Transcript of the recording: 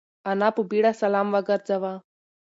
انا په بيړه سلام وگرځاوه.